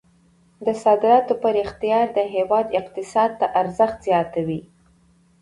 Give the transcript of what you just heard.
د صادراتو پراختیا د هیواد اقتصاد ته ارزښت زیاتوي.